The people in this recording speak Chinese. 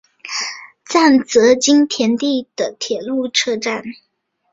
赞岐津田站的铁路车站。